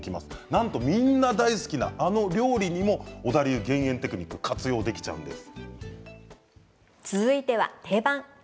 なんとみんな大好きなあの料理にも小田流減塩テクニックを活用できちゃうんです。